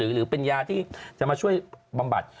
หรือเป็นยาที่จะมาช่วยบำบัด